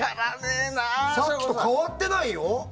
さっきと変わってないよ。